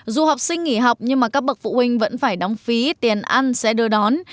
dù học sinh nghỉ học nhưng các bậc phụ huynh vẫn phải đóng phí tiền ăn sẽ đưa đón